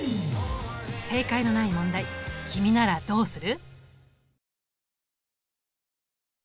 正解のない問題君ならどうする？